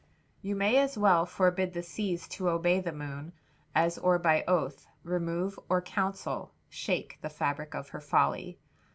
"You may as well Forbid the seas to obey the moon, As, or by oath, remove, or counsel, shake The fabric of her folly."